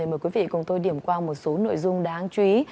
mời quý vị cùng tôi điểm qua một số nội dung đáng chú ý